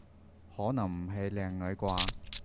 可能唔係靚女啩？